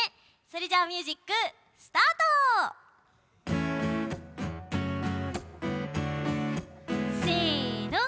それじゃミユージックスタート！せの。